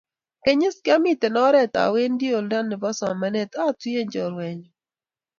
KenyisKiamito oret awendi oldo nebo somanet atuyiechi chorwenyuiek